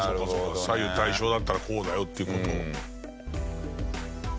左右対称だったらこうだよっていう事を。